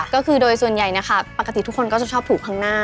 ก็คือโดยส่วนใหญ่นะคะปกติทุกคนก็จะชอบผูกข้างหน้า